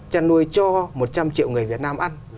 chăn nuôi cho một trăm linh triệu người việt nam ăn